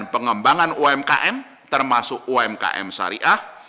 dan pengembangan umkm termasuk umkm sariah